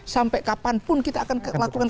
sampai kapanpun kita akan melakukan